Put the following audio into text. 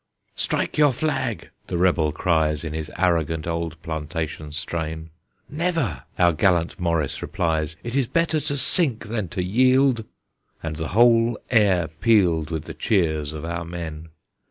"Strike your flag!" the rebel cries, In his arrogant old plantation strain. "Never!" our gallant Morris replies; "It is better to sink than to yield!" And the whole air pealed With the cheers of our men.